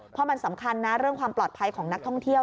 เพราะมันสำคัญนะเรื่องความปลอดภัยของนักท่องเที่ยว